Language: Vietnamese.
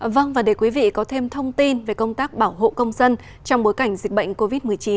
vâng và để quý vị có thêm thông tin về công tác bảo hộ công dân trong bối cảnh dịch bệnh covid một mươi chín